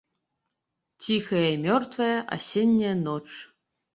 Ціхая і мёртвая асенняя ноч.